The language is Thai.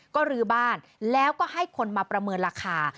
ก็ลื้อบ้านแล้วก็ให้คนมาประเมินราคา